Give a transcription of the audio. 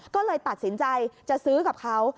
ก็เลยตัดสินใจจะซื้อกับเขา